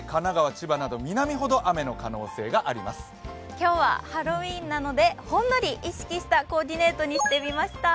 今日はハロウィーンなので、ほんのり意識したコーディネートにしてみました。